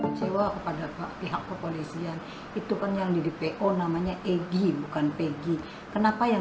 kecewa kepada pihak kepolisian itu kan yang di dpo namanya egy bukan pegi kenapa yang